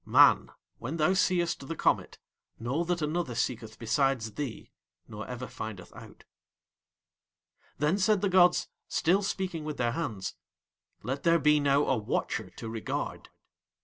Man, when thou seest the comet, know that another seeketh besides thee nor ever findeth out. Then said the gods, still speaking with Their hands: "Let there be now a Watcher to regard."